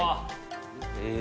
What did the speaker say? え？